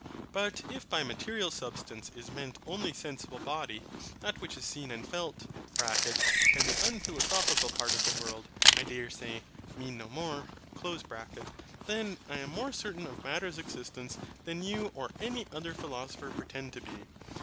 But if by MATERIAL SUBSTANCE is meant only SENSIBLE BODY, THAT which is seen and felt (and the unphilosophical part of the world, I dare say, mean no more) then I am more certain of matter's existence than you or any other philosopher pretend to be.